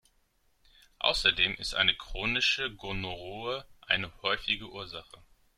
Außerdem ist eine chronische Gonorrhoe eine häufige Ursache.